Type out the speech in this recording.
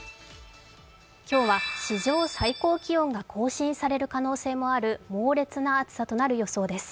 今日は史上最高気温が更新される可能性もある猛烈な暑さとなる予想です。